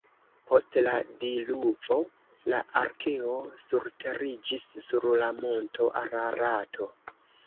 Post la diluvo la arkeo surteriĝis sur la monto Ararato.